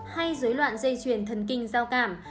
hay dối loạn dây truyền thần kinh giao cảm